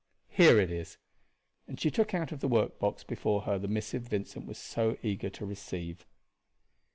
Here it is" and she took out of the workbox before her the missive Vincent was so eager to receive.